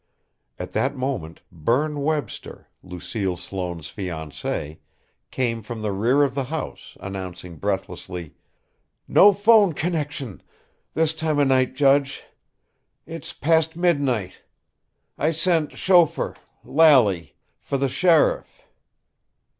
At that moment Berne Webster, Lucille Sloane's fiancé, came from the rear of the house, announcing breathlessly: "No 'phone connection this time of night, judge. It's past midnight. I sent chauffeur Lally for the sheriff."